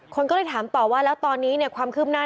คนก็เลยถามต่อว่าแล้วตอนนี้ความคืบหน้า